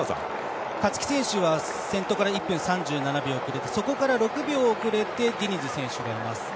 勝木選手は先頭から１分３７秒遅れてそこから６秒遅れてディニズ選手がいます。